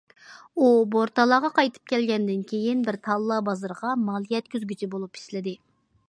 ئۇ بورتالاغا قايتىپ كەلگەندىن كېيىن، بىر تاللا بازىرىغا مال يەتكۈزگۈچى بولۇپ ئىشلىدى.